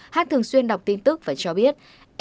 hát thường xuyên đọc tin tức và cho biết